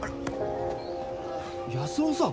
安生さん。